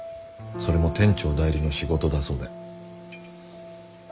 それも店長代理の仕事だそうで。